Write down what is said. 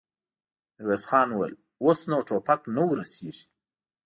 ميرويس خان وويل: اوس نو ټوپک نه ور رسېږي.